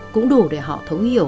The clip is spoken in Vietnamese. cũng đủ để họ thấu hiểu